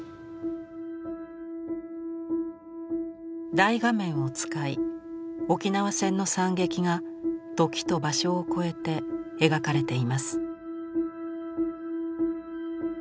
大画面を使い沖縄戦の惨劇が時と場所を超えて描かれています。